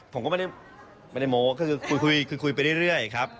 เพราะว่าผมก็ไม่ได้โม้คคือคุยไปเรื่อยครับ